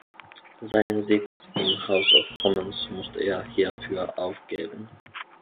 Seinen Sitz im House of Commons musste er hierfür aufgeben.